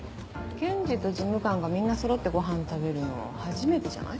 検事と事務官がみんなそろってご飯食べるの初めてじゃない？